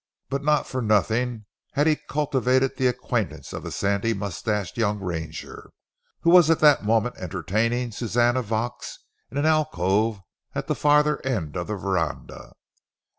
But not for nothing had he cultivated the acquaintance of a sandy mustached young ranger, who was at that moment entertaining Suzanne Vaux in an alcove at the farther end of the veranda.